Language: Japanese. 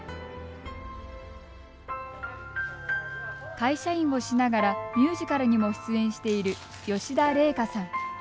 会社員をしながらミュージカルにも出演している吉田黎香さん。